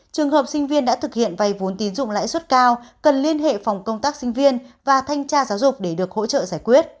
trường hợp sinh viên đã thực hiện vay vốn tín dụng lãi suất cao cần liên hệ phòng công tác sinh viên và thanh tra giáo dục để được hỗ trợ giải quyết